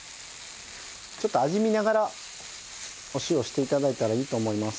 ちょっと味見ながらお塩して頂いたらいいと思います。